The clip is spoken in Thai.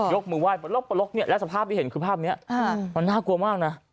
ยกมือไหวปลกปลกเนี่ยแล้วสภาพที่เห็นคือภาพเนี้ยอ่ามันน่ากลัวมากน่ะ